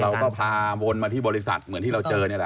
เราก็พาวนมาที่บริษัทเหมือนที่เราเจอนี่แหละ